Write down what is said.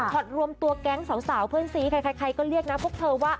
รวมตัวแก๊งสาวเพื่อนซีใครก็เรียกนะพวกเธอว่า